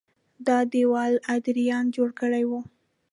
دا دېوال ادریان جوړ کړی و